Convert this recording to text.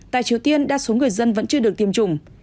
tại triều tiên đa số người dân vẫn chưa được tiêm chủng